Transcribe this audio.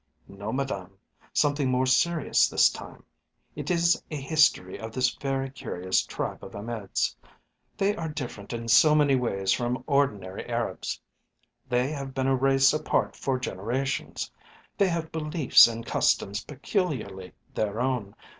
"No, Madame, Something more serious this time. It is a history of this very curious tribe of Ahmed's. They are different in so many ways from ordinary Arabs. They have been a race apart for generations. They have beliefs and customs peculiarly their own.